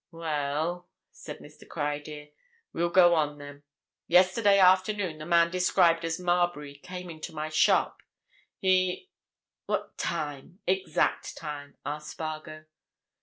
"Well," said Mr. Criedir, "we'll go on then. Yesterday afternoon the man described as Marbury came into my shop. He—" "What time—exact time?" asked Spargo.